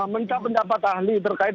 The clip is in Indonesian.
mencapai pendapat ahli terkait